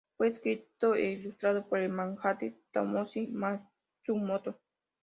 Fue escrito e ilustrado por el mangaka Tomoki Matsumoto.